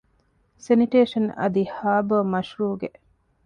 ސެނިޓޭޝަން އަދި ހާރބަރ މަޝްރޫޢުގެ